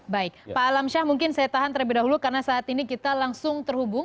baik pak alam syah mungkin saya tahan terlebih dahulu karena saat ini kita langsung terhubung